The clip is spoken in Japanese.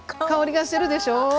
香りがするでしょう？